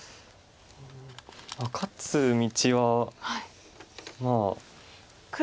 勝つ道はまあ。